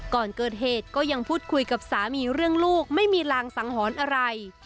ก่อนเกิดเหตุก็ยังพูดคุยกับสามีเรื่องลูกไม่มีรางสังหรณ์อะไร